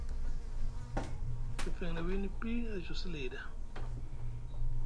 Mefeŋ na wiini pi a cosi li ɗa,